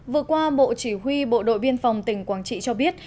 vừa qua bộ chỉ huy bộ đội biên phòng tỉnh quảng trị cho biết